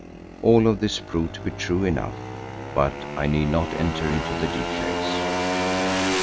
All of this proved to be true enough, but I need not enter into the details.